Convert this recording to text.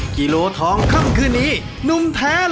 กิโลทองค่ำกึนหนุ่มแท้ลบใบ